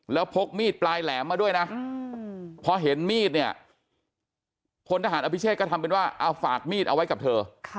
แล้วพกมีดแปลแหลมมาด้วยนะหมาดูหน้าลูกสาวที่เพิ่งพลอด